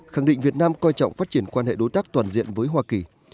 khẳng định việt nam coi trọng phát triển quan hệ đối tác toàn diện với hoa kỳ